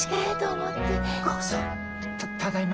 ただいま。